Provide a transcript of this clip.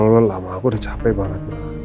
aku udah terlalu lama aku udah capek banget ma